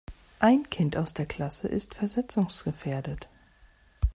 Ein Kind aus der Klasse ist versetzungsgefährdet.